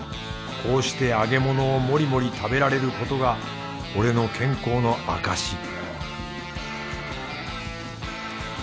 こうして揚げ物をもりもり食べられることが俺の健康の証し